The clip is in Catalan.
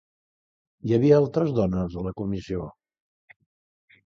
Hi havia altres dones a la comissió?